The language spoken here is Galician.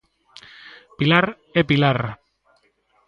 Pilar e Pilar.